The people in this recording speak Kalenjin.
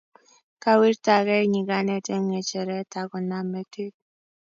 kawirtagei nyikanet eng ngecheret akonam metit